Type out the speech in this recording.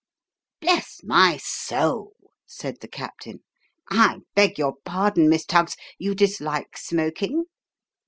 "Bless my soul!" said the captain, "I beg your pardon, Miss Tuggs. You dislike smoking